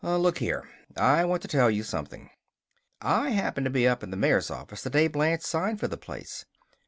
"Look here! I want to tell you something: I happened to be up in the mayor's office the day Blanche signed for the place.